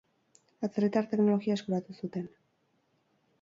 Atzerritar teknologia eskuratu zuten.